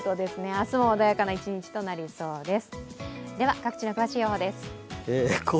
明日も穏やかな一日となりそうです。